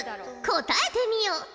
答えてみよ。